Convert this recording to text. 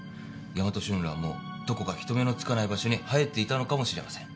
ヤマトシュンランもどこか人目のつかない場所に生えていたのかもしれません。